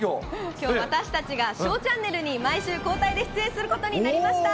きょう、私たちがＳＨＯＷチャンネルに、毎週、交代で出演することになりました。